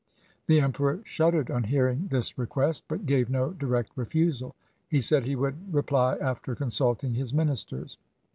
The Emperor shuddered on hearing this request, but gave no direct refusal. He said he would reply after consulting his ministers.